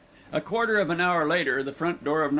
A quarter of an hour later, the front door of No.